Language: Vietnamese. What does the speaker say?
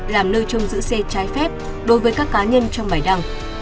làm nơi trông giữ xe trái phép đối với các cá nhân trong bài đăng